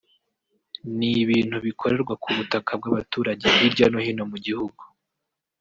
n’ibintu bikorerwa ku butaka bw’abaturage hirya no hino mu gihugu